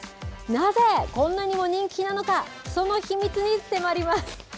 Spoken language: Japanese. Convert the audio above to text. なぜ、こんなにも人気なのか、その秘密に迫ります。